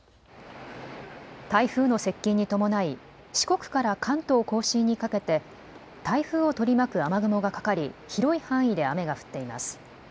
台風の接近に伴い、四国から関東甲信にかけて台風を取り巻く雨雲がかかり、広い範囲で雨が降っています。